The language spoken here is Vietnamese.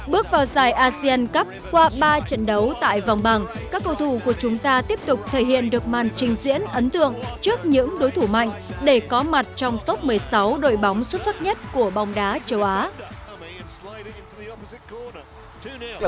bước vào giải asean cup qua ba trận đấu tại vòng bảng các cầu thủ của chúng ta tiếp tục thể hiện được màn trình diễn ấn tượng trước những đối thủ mạnh để có mặt trong top một mươi sáu đội bóng xuất sắc nhất của bóng đá châu á